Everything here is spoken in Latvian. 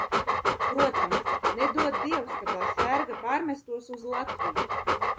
Protams, nedod Dievs, ka tā sērga pārmestos uz Latviju!